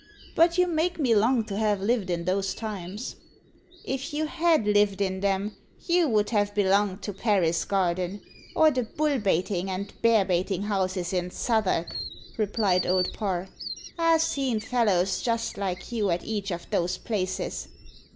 "But you make me long to ha' lived i' those times." "If you had lived in them, you would have belonged to Paris Garden, or the bull baiting and bear baiting houses in Southwark," replied Old Parr. "I've seen fellows just like you at each of those places.